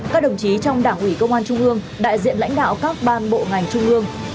các đồng chí trong đảng ủy công an trung ương đại diện lãnh đạo các ban bộ ngành trung ương